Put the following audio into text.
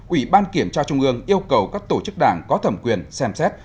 ủy ban kiểm tra trung ương yêu cầu các tổ chức đảng có thẩm quyền xem xét